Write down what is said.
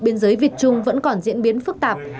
biên giới việt trung vẫn còn diễn biến phức tạp